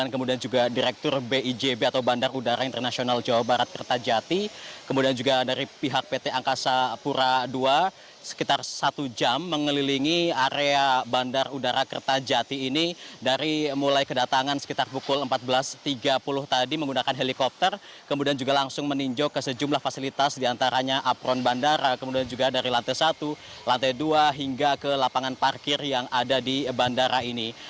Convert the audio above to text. kemudian juga langsung meninjau ke sejumlah fasilitas di antaranya apron bandara kemudian juga dari lantai satu lantai dua hingga ke lapangan parkir yang ada di bandara ini